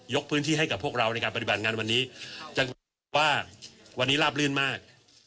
พื้นที่ให้กับพวกเราในการปฏิบัติงานวันนี้จังว่าวันนี้ลาบลื่นมาก